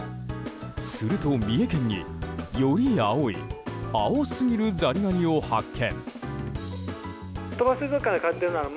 すると三重県に、より青い青すぎるザリガニを発見。